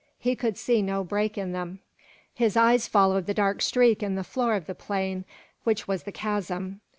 He could see no break in them. His eyes followed the dark streak in the floor of the plain, which was the chasm.